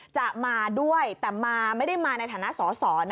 จะมาด้วยแต่ไม่ได้มาในฐานะสอสอนะเพราะว่า